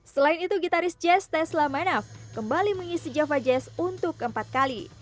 selain itu gitaris jazz tesla menaf kembali mengisi java jazz untuk keempat kali